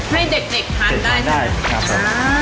ให้เด็กทานได้ไหม